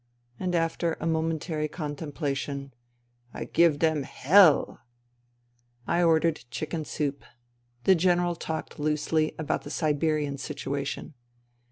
And, after a momentary contemplation :" I give dem h h hell !" I ordered chicken soup. The General talked loosely about the Siberian situation.